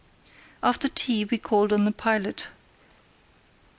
After tea we called on the pilot.